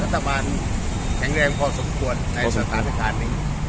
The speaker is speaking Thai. รัฐบาลแข็งแรงพอสมควรในสถานการณ์นี้